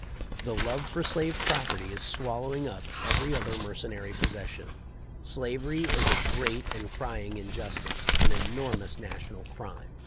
The love for slave property is swallowing up every other mercenary possession. Slavery is a great and crying injustice — an enormous national crime."